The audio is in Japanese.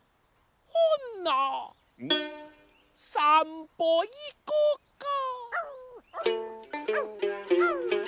「ほなさんぽいこか」